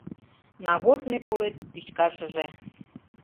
Нагорный колет пӱчкашыже